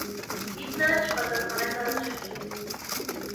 Հիտլերը չպատասխանեց առաջարկին։